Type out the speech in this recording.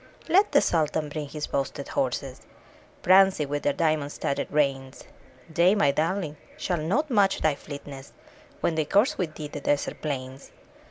Let the Sultan bring his boasted horses. Prancing with their diamond studded reins; They, my darling, shall not match thy fleetness When they course with thee the desert plains!